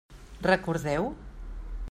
Recordeu?